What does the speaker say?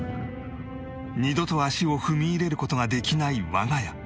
二度と足を踏み入れる事ができない我が家